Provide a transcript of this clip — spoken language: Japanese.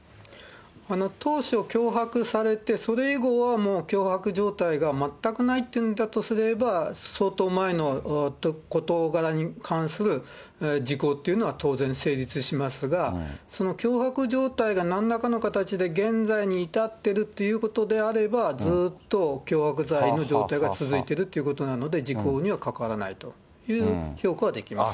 当初、脅迫されて、それ以後はもう脅迫状態が全くないっていうんだとすれば、相当前の事柄に関する時効っていうのは当然成立しますが、その脅迫状態がなんらかの形で現在に至ってるっていうことであれば、ずっと脅迫罪の状態が続いてるということなので、時効にはかかわらないという評価はできますね。